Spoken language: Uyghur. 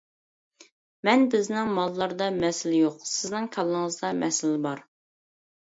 مەن: بىزنىڭ ماللاردا مەسىلە يوق، سىزنىڭ كاللىڭىزدا مەسىلە بار.